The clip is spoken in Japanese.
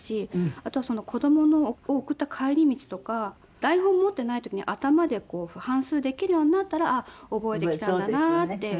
あとは子供を送った帰り道とか台本を持っていない時に頭で反すうできるようになったらあっ覚えてきたんだなって。